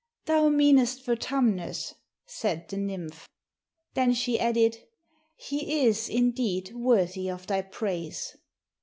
"Thou meanest Vertumnus," said the nymph. Then she added, "He is, indeed, worthy of thy praise."